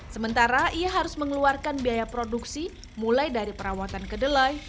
sementara ia harus mengeluarkan biaya produksi mulai dari perawatan kedelai